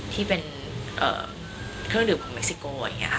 ที่เป็นเครื่องดื่มของเม็กซิโก